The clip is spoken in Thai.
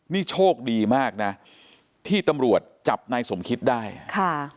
นี่โชคดีมากนะที่ตำรวจจับนายสมคิดได้ค่ะ